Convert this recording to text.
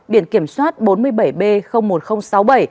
biển kiểm soát bốn mươi bảy b một nghìn sáu mươi bảy